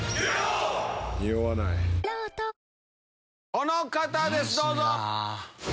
この方ですどうぞ！